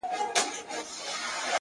زه چي لـه چــــا سـره خبـري كـوم’